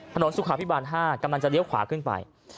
สุขาพิบาล๕กำลังจะเลี้ยวขวาขึ้นไป